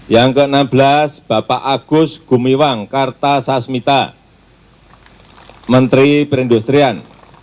yang ke enam belas bapak agus gumiwang kartasasmita menteri perindustrian